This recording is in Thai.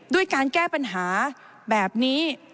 ด้วยการแก้ปัญหาแบบนี้